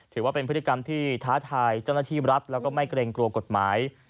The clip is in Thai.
ถือว่าเป็นพฤติกรรมที่ท้าทายเจ้าหน้าที่รัฐแล้วก็ไม่เกรงกลัวกฎหมาย